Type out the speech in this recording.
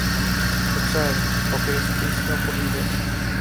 Το ξέρω, αποκρίθηκε ήσυχα ο Πολύδωρος.